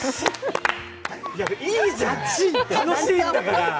いいじゃん、楽しいんだから。